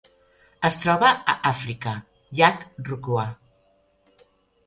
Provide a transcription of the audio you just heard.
Es troba a Àfrica: llac Rukwa.